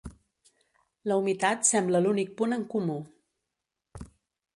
La humitat sembla l'únic punt en comú.